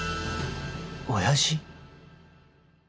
親父？